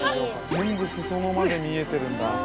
◆全部、すそ野まで見えてるんだ。